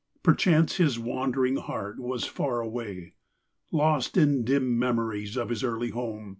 Perchance his wandering heart was far away, Lost in dim memories of his early home.